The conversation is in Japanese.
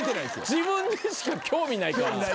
自分にしか興味ないから。